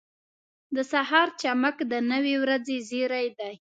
• د سهار چمک د نوې ورځې زېری دی.